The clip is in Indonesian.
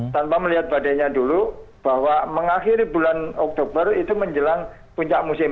tanpa melihat badainya dulu bahwa mengakhiri bulan oktober itu menjelang puncak musim